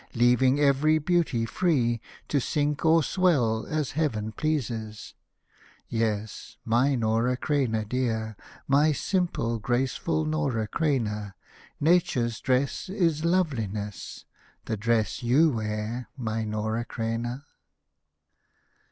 Leaving every beauty free To sink or swell as Heaven pleases. Yes, my Nora Creina, dear. My simple, graceful Nora Creina, Nature's dress Is loveliness — The dress _y^/^ wear, my Nora Creina.